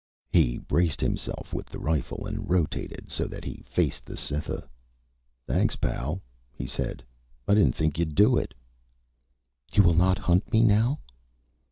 He braced himself with the rifle and rotated so that he faced the Cytha. "Thanks, pal," he said. "I didn't think you'd do it." "You will not hunt me now?"